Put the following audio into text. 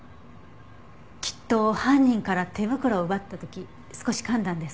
きっと犯人から手袋を奪った時少し噛んだんです。